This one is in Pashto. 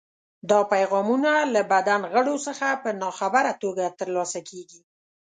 دا پیغامونه له بدن غړو څخه په ناخبره توګه ترلاسه کېږي.